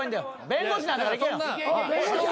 弁護士なんだからいけよ。